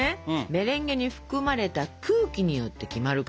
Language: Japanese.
メレンゲに含まれた空気によって決まるから。